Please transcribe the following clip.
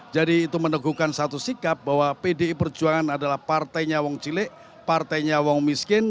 jadi itu meneguhkan satu sikap bahwa pdi perjuangan adalah partainya uang cilik partainya uang miskin